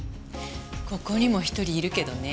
ここにも１人いるけどね。